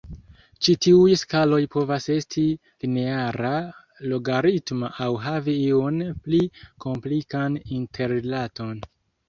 Ĉi tiuj skaloj povas esti lineara, logaritma aŭ havi iun pli komplikan interrilaton.